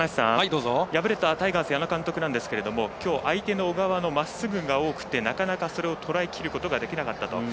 敗れたタイガースの矢野監督ですが、きょう相手の小川のまっすぐが多くてなかなか、それをとらえきることができなかたっと。